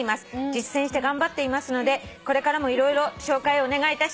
「実践して頑張っていますのでこれからも色々紹介お願いいたします」